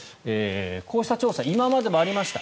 こうした調査今までもありました。